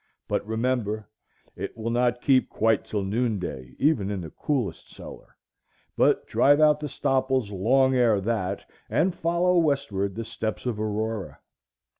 But remember, it will not keep quite till noon day even in the coolest cellar, but drive out the stopples long ere that and follow westward the steps of Aurora.